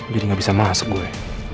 jadi gak bisa masuk gue